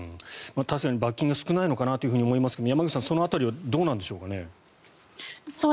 確かに罰金が少ないのかなとも思いますが山口さん、その辺りはどうなんでしょうかね？